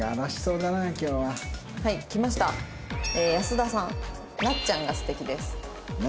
保田さん「なっちゃんが素敵です」。